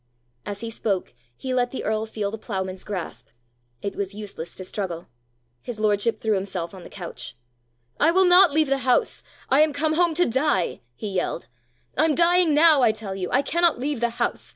As he spoke he let the earl feel the ploughman's grasp: it was useless to struggle. His lordship threw himself on the couch. "I will not leave the house. I am come home to die," he yelled. "I'm dying now, I tell you. I cannot leave the house!